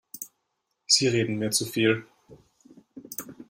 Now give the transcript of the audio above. Sie reden mir zu viel.